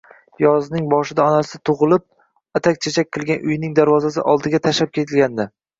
Yozning boshida onasi tug`ilib atak-chechak qilgan uyining darvozasi oldiga tashlab kelgandi